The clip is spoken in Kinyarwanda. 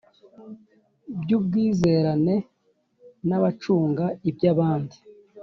by ubwizerane n abacunga iby abandi